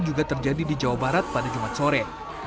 juga terjadi di jawa barat pada jumat sore